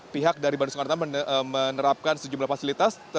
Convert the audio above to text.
pihak dari bandara soekarno hatta menerapkan sejumlah fasilitas